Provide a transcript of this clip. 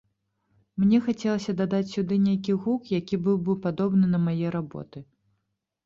Мне хацелася дадаць сюды нейкі гук, які быў бы падобны на мае работы.